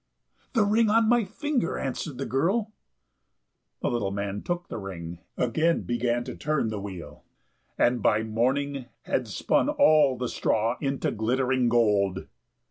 "The ring on my finger," answered the girl. The little man took the ring, again began to turn the wheel, and by morning had spun all the straw into glittering gold.